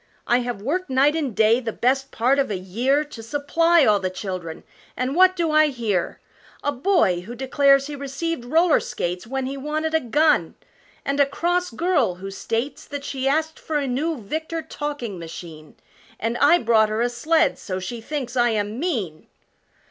I have worked night and day the best part of a year To supply all the children, and what do I hear A boy who declares he received roller skates When he wanted a gun and a cross girl who states That she asked for a new Victor talking machine And I brought her a sled, so she thinks I am 'mean!'"